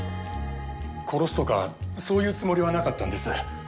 殺すとかそういうつもりはなかったんです。